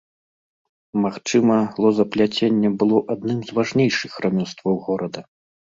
Магчыма, лозапляценне было адным з важнейшых рамёстваў горада.